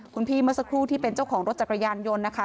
คุณพี่เมื่อสักครู่ที่เป็นเจ้าของรถจักรยานยนต์นะคะ